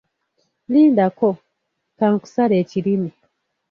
Lindako, ka nkusale ekirimi.